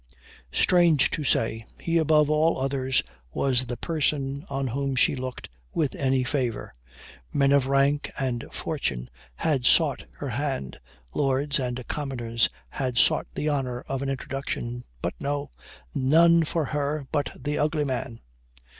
Strange to say, he above all others was the person on whom she looked with any favor. Men of rank and fortune had sought her hand lords and commoners had sought the honor of an introduction; but no! none for her but the ugly man!